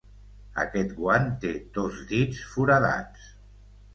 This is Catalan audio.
Aquest guant té dos dits foradats.